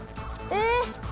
えっ！